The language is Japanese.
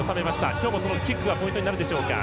今日も、キックがポイントになるでしょうか？